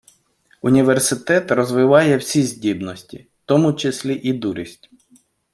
Університет розвиває всі здібності, в тому числі і дурість.